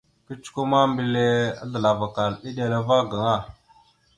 Kecəkwe ma, mbelle azləlavakal eɗela va gaŋa.